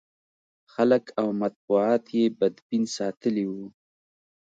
خلک او مطبوعات یې بدبین ساتلي و.